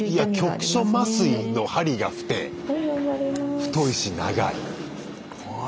太いし長い。